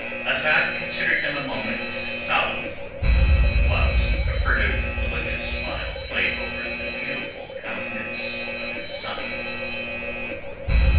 Asad considered him a moment solemnly, whilst a furtive malicious smile played over the beautiful countenance of his son.